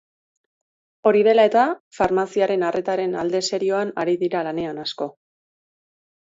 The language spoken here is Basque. Hori dela eta, farmazia arretaren alde serioan ari dira lanean asko.